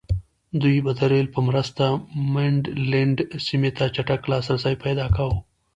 دوی به د رېل په مرسته منډلینډ سیمې ته چټک لاسرسی پیدا کاوه.